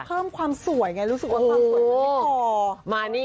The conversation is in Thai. เพิ่มความสวยไงรู้สึกว่าความสวย